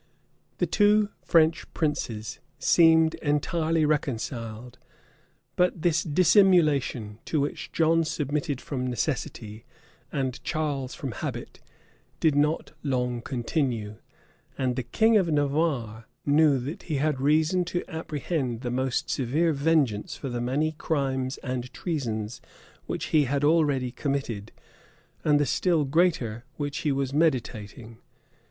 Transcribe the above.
[*]* Froissard, liv. i. chap. 144. {1355.} The two French princes seemed entirely reconciled; but this dissimulation, to which John submitted from necessity, and Charles from habit, did not long continue; and the king of Navarre knew that he had reason to apprehend the most severe vengeance for the many crimes and treasons which he had already committed, and the still greater, which he was meditating.